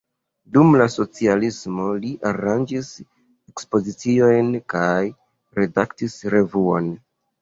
Dum la socialismo li aranĝis ekspoziciojn kaj redaktis revuon.